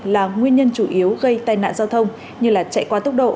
là nguyên nhân chủ yếu gây tai nạn giao thông như chạy qua tốc độ